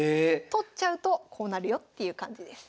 取っちゃうとこうなるよっていう感じです。